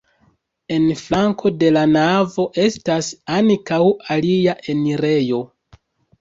En flanko de la navo estas ankaŭ alia enirejo.